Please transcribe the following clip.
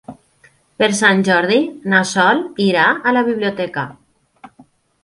Per Sant Jordi na Sol irà a la biblioteca.